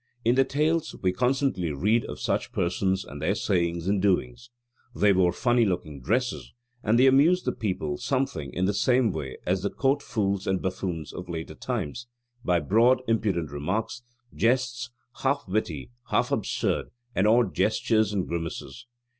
In the Tales we constantly read of such persons and their sayings and doings. They wore funny looking dresses; and they amused the people something in the same way as the court fools and buffoons of later times by broad impudent remarks, jests, half witty, half absurd, and odd gestures and grimaces.